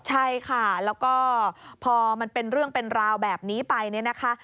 ใช่ค่ะแล้วก็พอมันเป็นเรื่องเป็นราวแบบนี้ไปเนี่ยนะคะ